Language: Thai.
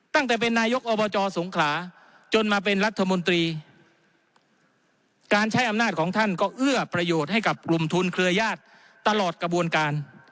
ตั้งแต่เป็นนายกอบจสงขลาจนมาเป็นรัฐมนตรีการใช้อำนาจของท่านก็เอื้อประโยชน์ให้กับกลุ่มทุนเครือญาติตลอดกระบวนการ